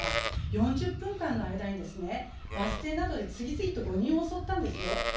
４０分間の間に、バス停などで次々と５人襲ったんですよ。